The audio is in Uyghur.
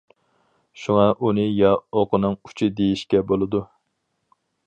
شۇڭا ئۇنى يا ئوقىنىڭ ئۇچى دېيىشكە بولىدۇ.